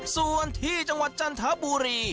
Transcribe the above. ส่วนที่จังหวัดจันทบุรี